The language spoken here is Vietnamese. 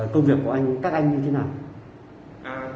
công việc của các anh như thế nào